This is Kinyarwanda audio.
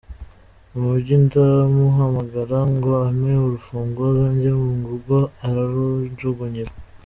mu mujyi ndamuhamagara ngo ampe urufunguzo njye mu rugo ararunjugunyira.